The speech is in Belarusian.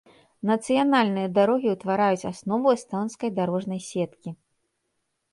Нацыянальныя дарогі ўтвараюць аснову эстонскай дарожнай сеткі.